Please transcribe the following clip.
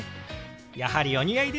やはりお似合いですね。